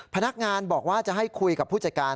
พนักงานบอกว่าจะให้คุยกับผู้จัดการ